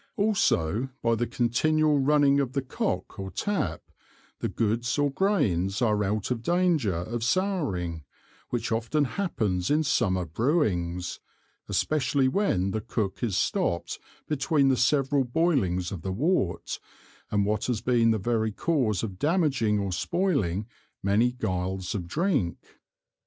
Also by the continual running of the Cock or Tap, the Goods or Grains are out of danger of sowring, which often happens in Summer Brewings, especially when the Cook is stopt between the several boilings of the wort, and what has been the very Cause of damaging or spoiling many Guiles of Drink.